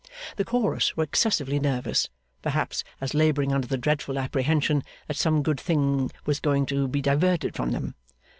The Chorus were excessively nervous, perhaps as labouring under the dreadful apprehension that some good thing was going to be diverted from them!